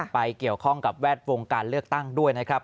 เกี่ยวข้องกับแวดวงการเลือกตั้งด้วยนะครับ